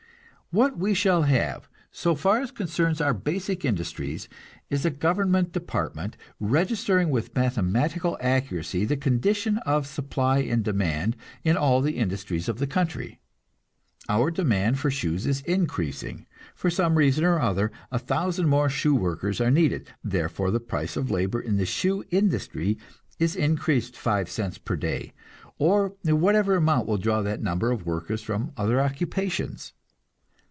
What we shall have, so far as concerns our basic industries, is a government department, registering with mathematical accuracy the condition of supply and demand in all the industries of the country. Our demand for shoes is increasing, for some reason or other; a thousand more shoe workers are needed, therefore the price of labor in the shoe industry is increased five cents per day or whatever amount will draw that number of workers from other occupations.